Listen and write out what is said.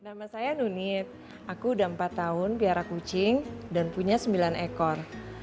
nama saya nunit aku udah empat tahun piara kucing dan punya sembilan ekor